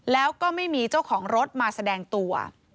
แล้วก็ไม่มีเจ้าของรถมาแสดงตัว